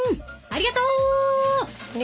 ありがとう。